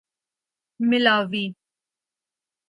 ملاوی